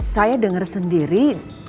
saya denger sendiri